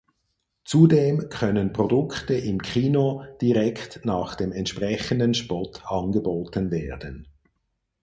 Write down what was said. Zudem können Produkte im Kino direkt nach dem entsprechenden Spot angeboten werden.